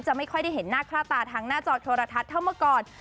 ไม่ค่อยได้เห็นหน้าค่าตาทางหน้าจอโทรทัศน์เท่าเมื่อก่อน